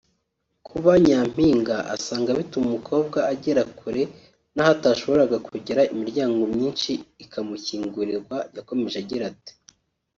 Kuba Nyampinga asanga bituma umukobwa agera kure n’aho atashoboraga kugera imiryango myinshi ikamukingurirwaYakomeje agira ati